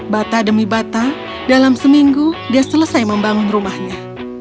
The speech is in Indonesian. bata demi bata dalam seminggu dia selesai membangun rumahnya